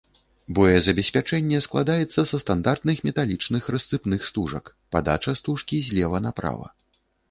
Боезабеспячэнне складаецца са стандартных металічных рассыпных стужак, падача стужкі злева направа.